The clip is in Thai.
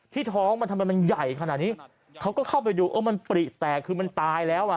ท้องมันทำไมมันใหญ่ขนาดนี้เขาก็เข้าไปดูเออมันปริแตกคือมันตายแล้วอ่ะ